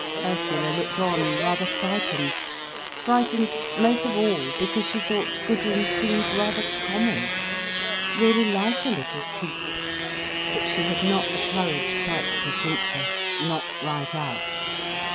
Ursula looked on, rather frightened, frightened most of all because she thought Gudrun seemed rather common, really like a little type. But she had not the courage quite to think this—not right out.